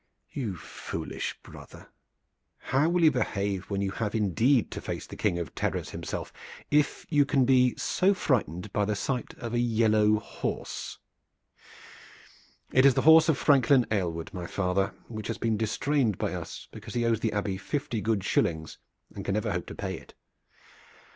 "You foolish brother! How will you behave when you have indeed to face the King of Terrors himself if you can be so frightened by the sight of a yellow horse? It is the horse of Franklin Aylward, my father, which has been distrained by us because he owes the Abbey fifty good shillings and can never hope to pay it.